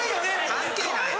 関係ない。